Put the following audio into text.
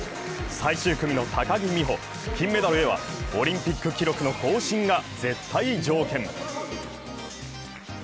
最終組の高木美帆、金メダルへはオリンピック記録の更新が絶対条件。